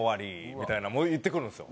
みたいなの言ってくるんですよ。